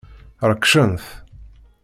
Rekcen-t.